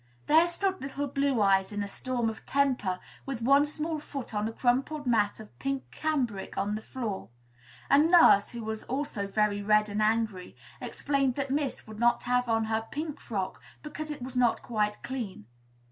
There stood little Blue Eyes, in a storm of temper, with one small foot on a crumpled mass of pink cambric on the floor; and nurse, who was also very red and angry, explained that Miss would not have on her pink frock because it was not quite clean.